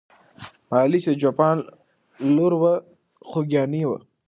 ملالۍ چې د چوپان لور وه، خوګیاڼۍ وه.